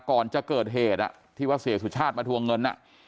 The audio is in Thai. ก่อนจะเกิดเหตุที่ว่าเสียสุชาติมาทวงเงิน